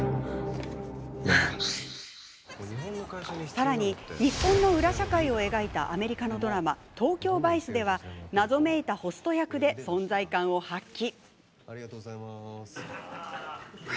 さらに、日本の裏社会を描いたアメリカのドラマ「ＴＯＫＹＯＶＩＣＥ」では謎めいたホスト役で存在感を発揮。